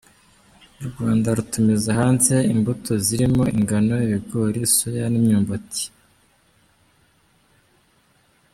U Rwanda rutumiza hanze imbuto zirimo ingano, ibigori, soya n’imyumbati.